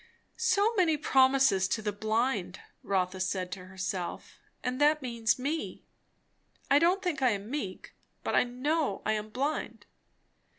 So many promises to the blind, Rotha said to herself; and that means me. I don't think I am meek, but I know I am blind.